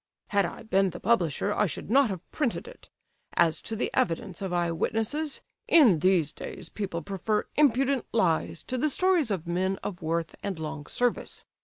"Had I been the publisher I should not have printed it. As to the evidence of eye witnesses, in these days people prefer impudent lies to the stories of men of worth and long service.